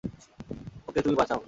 ওকে তুমি বাঁচাও।